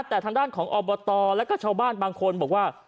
แต่ทางด้านของอบตแล้วก็ชาวบ้านบางคนบอกว่า